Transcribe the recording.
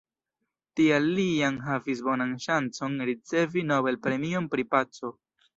Tial li jam havis bonan ŝancon ricevi Nobel-premion pri paco.